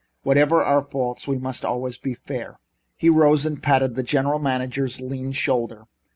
Whatever our faults we must always be fair." He rose and patted the general manager's lean shoulder.